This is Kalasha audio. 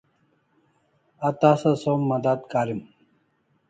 A tasa som madat karim